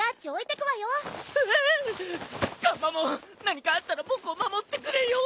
何かあったら僕を守ってくれよ！